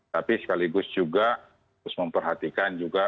tapi sekaligus juga harus memperhatikan juga